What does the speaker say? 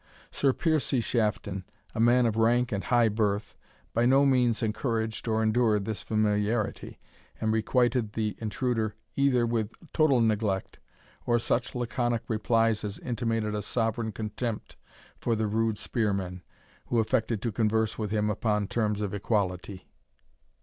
Sir Piercie Shafton, a man of rank and high birth, by no means encouraged or endured this familiarity, and requited the intruder either with total neglect, or such laconic replies as intimated a sovereign contempt for the rude spearman, who affected to converse with him upon terms of equality.